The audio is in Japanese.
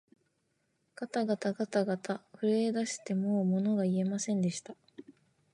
がたがたがたがた、震えだしてもうものが言えませんでした